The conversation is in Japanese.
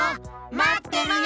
まってるよ！